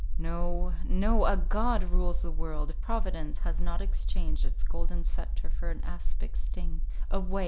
—No! no! a God rules the world—providence has not exchanged its golden sceptre for an aspic's sting. Away!